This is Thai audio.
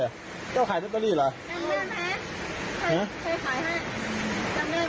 ยากบอกไปแจ้งความว่าเป็นไรเดือนที่ปล่อยไปเลย